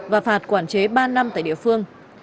và phạt quản chế ba năm tại địa phương